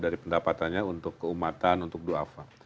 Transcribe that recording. dari pendapatannya untuk keumatan untuk doa